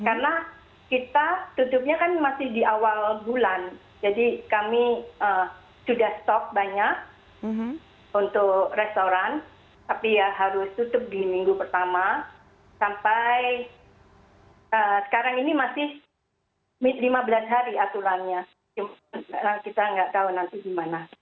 karena kita tutupnya kan masih di awal bulan jadi kami sudah stop banyak untuk restoran tapi ya harus tutup di minggu pertama sampai sekarang ini masih lima bulan hari aturannya kita nggak tahu nanti gimana